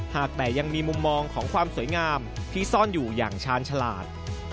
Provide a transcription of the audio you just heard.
หากแต่ยังมีมุมมองของความสวยงามที่ซ่อนอยู่อย่างชาญฉลาด